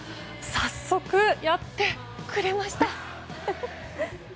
早速、やってくれました！